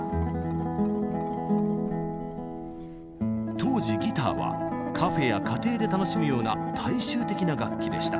当時ギターはカフェや家庭で楽しむような大衆的な楽器でした。